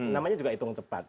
namanya juga hitung cepat